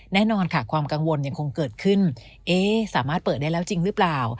แน่นอนค่ะความกังวลยังคงเกิดขึ้นเอ๊ะสามารถเปิดได้แล้วจริงหรือเปล่า